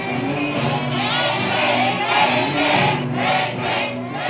ตัวช่วยแผ่นที่๖ค่ะ